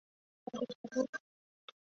异腈区别。